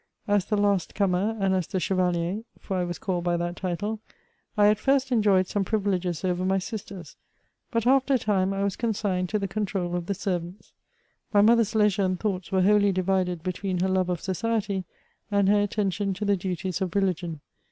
As the last comer, and as the Chevalier (for I was called by that title) I, at first, enjoyed some privileges over my sisters; but, after a time, I was consigned to the control of ^ the servants. My mother's leisure and thoughts were wholly divided between her love of society and her attention to the duties of religion.